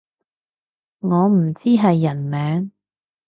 我唔知係人名